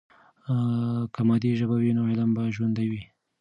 که مادي ژبه وي، نو علم به ژوندۍ وي.